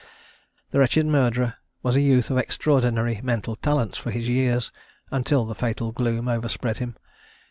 The wretched murderer was a youth of extraordinary mental talents for his years until the fatal gloom overspread him.